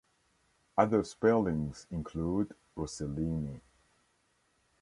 Other spellings include: Rosselini.